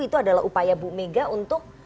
itu adalah upaya bu mega untuk